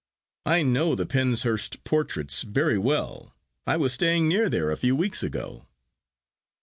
'I know the Penshurst portraits very well. I was staying near there a few weeks ago.